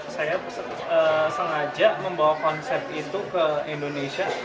saya sengaja membawa konsep itu ke indonesia